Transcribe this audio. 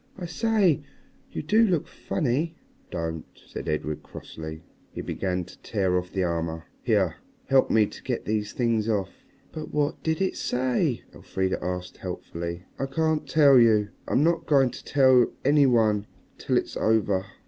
I say, you do look funny." "Don't!" said Edred crossly. He began to tear off the armor. "Here, help me to get these things off." "But what did it say?" Elfrida asked, helpfully. "I can't tell you. I'm not going to tell any one till it's over."